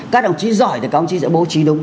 các đồng chí giỏi thì các ông chí sẽ bố trí đúng